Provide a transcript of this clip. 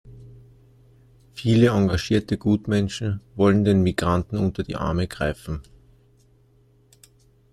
Viele engagierte Gutmenschen wollen den Migranten unter die Arme greifen.